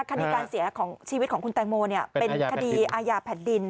คดีการเสียชีวิตของชีวิตของคุณแตงโมเป็นคดีอาญาแผ่นดิน